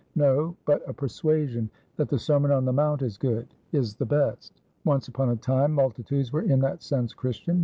No; but a persuasion that the Sermon on the Mount is goodis the best. Once upon a time, multitudes were in that sense Christian.